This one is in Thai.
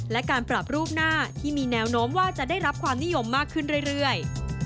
และการปรับรูปหน้าที่มีแนวโน้มว่าจะได้รับความนิยมมากขึ้นเรื่อย